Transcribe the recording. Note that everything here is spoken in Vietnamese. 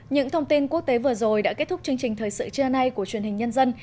những thông tin quốc tế vừa rồi đã kết thúc chương trình thời sự trưa nay của truyền hình nhân dân